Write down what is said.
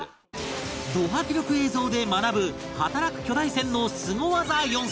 ド迫力映像で学ぶ働く巨大船のスゴ技４選